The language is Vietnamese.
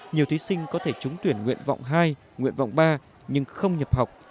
nhiều thí sinh có thể trúng tuyển nguyện vọng hai nguyện vọng ba nhưng không nhập học